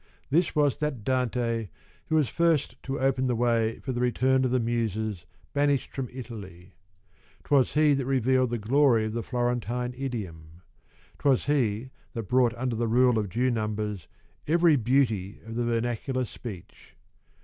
This was that Dante who was first to open the way for the return of the Muses, banished from Italy. *Twas he that revealed the glory of the Florentine idiom. 'Twas he that brought under the rule of due numbers every beauty of the vernacular speech.